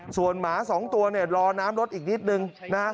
ส่วนหมา๒ตัวเนี่ยรอน้ำรถอีกนิดนึงนะครับ